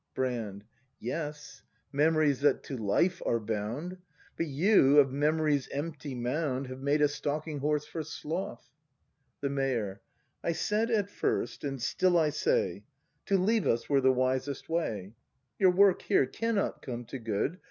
Brand. Yes, memories that to life are bound; But you, of memory's empty mound. Have made a stalking horse for sloth. The Mayor. I said at first, and still I say: — To leave us were the wisest way. Your work here cannot come to good.